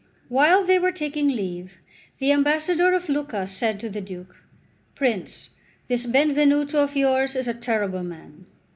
While they were taking leave the ambassador of Lucca said to the Duke: "Prince, this Benvenuto of yours is a terrible man!"